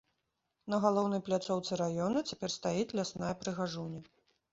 На галоўнай пляцоўцы раёна цяпер стаіць лясная прыгажуня.